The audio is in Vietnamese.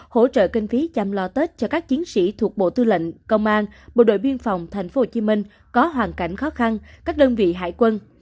hỗ trợ kinh phí chăm lo tết cho các chiến sĩ thuộc bộ tư lệnh công an bộ đội biên phòng thành phố hồ chí minh có hoàn cảnh khó khăn các đơn vị hải quân